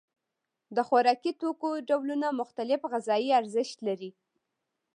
د خوراکي توکو ډولونه مختلف غذایي ارزښت لري.